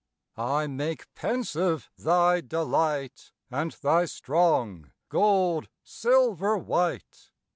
I make pensive thy delight, And thy strong gold silver white.